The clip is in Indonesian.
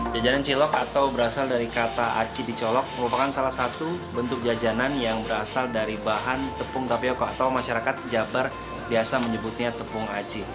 jajanan cilok atau berasal dari kata aci dicolok merupakan salah satu bentuk jajanan yang berasal dari bahan tepung tapioca atau masyarakat jabar biasa menyebutnya tepung aci